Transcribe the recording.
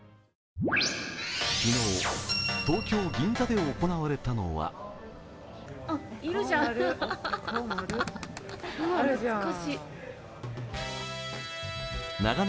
昨日、東京・銀座で行われたのは顔丸。